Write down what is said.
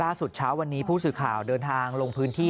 เช้าวันนี้ผู้สื่อข่าวเดินทางลงพื้นที่